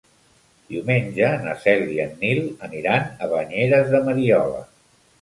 Diumenge na Cel i en Nil aniran a Banyeres de Mariola.